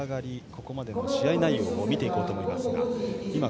ここまでの試合内容を見ていこうと思います。